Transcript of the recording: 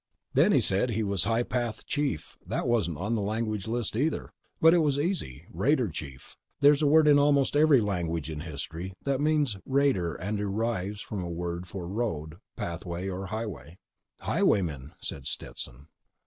"Then he said he was High Path Chief. That wasn't on the language list, either. But it was easy: Raider Chief. There's a word in almost every language in history that means raider and derives from a word for road, path or highway." "Highwaymen," said Stetson.